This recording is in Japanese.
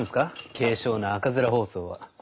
軽症の赤面疱瘡は。